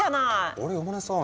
あれ山根さん